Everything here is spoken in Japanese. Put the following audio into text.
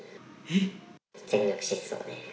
全力疾走で。